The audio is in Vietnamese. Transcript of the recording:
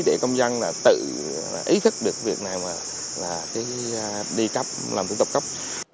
để công dân tự ý thức được việc nào là đi cấp làm thủ tục cấp